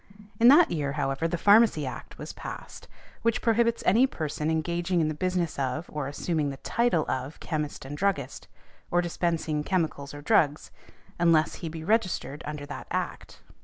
In that year, however, the Pharmacy Act was passed, which prohibits any person engaging in the business of, or assuming the title of, Chemist and Druggist, or dispensing chemicals or drugs, unless he be registered under that Act.